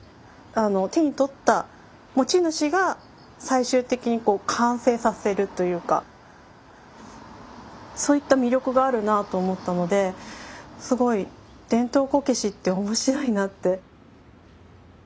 手に取った持ち主が最終的に完成させるというかそういった魅力があるなと思ったのですごい伝統こけしって面白いなって。